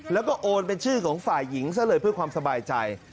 แล้วก็โอนเป็นชื่อของฝ่ายหญิงซะเลยเพื่อความสบายใจ